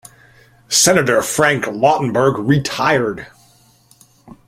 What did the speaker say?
Senator Frank Lautenberg retired.